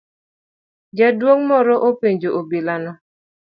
Jaduong' moro nopenjo obila no.